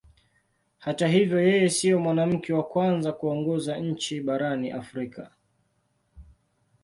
Hata hivyo yeye sio mwanamke wa kwanza kuongoza nchi barani Afrika.